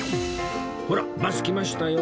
ほらバス来ましたよ